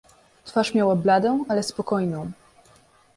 "Twarz miała bladą, ale spokojną."